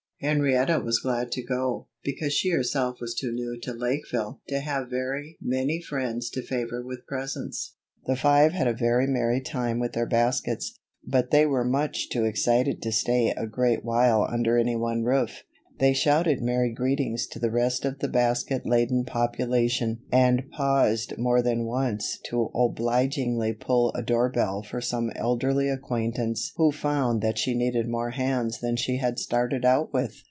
Henrietta was glad to go, because she herself was too new to Lakeville to have very many friends to favor with presents. The five had a very merry time with their baskets; but they were much too excited to stay a great while under any one roof. They shouted merry greetings to the rest of the basket laden population and paused more than once to obligingly pull a door bell for some elderly acquaintance who found that she needed more hands than she had started out with.